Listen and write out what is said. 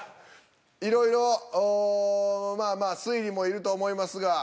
いろいろまあまあ推理もいると思いますが。